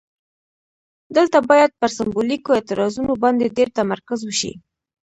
دلته باید پر سمبولیکو اعتراضونو باندې ډیر تمرکز وشي.